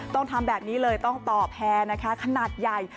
ต้องทำแบบนี้เลยต้องต่อแพร่นะคะขนาดใหญ่